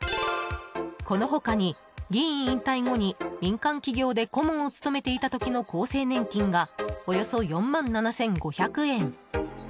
この他に、議員引退後に民間企業で顧問を務めていた時の厚生年金がおよそ４万７５００円。